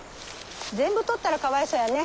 全部採ったらかわいそうやね。